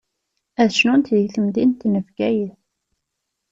Ad cnunt di temdint n Bgayet.